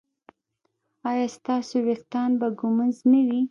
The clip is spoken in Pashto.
ایا ستاسو ویښتان به ږمنځ نه وي؟